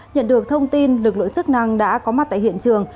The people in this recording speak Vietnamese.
nhận được thông tin lực lượng chức năng đã có mặt tại hiện trường